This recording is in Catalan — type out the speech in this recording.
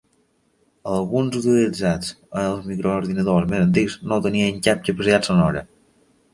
Alguns utilitzats en els microordinadors més antics no tenien cap capacitat sonora.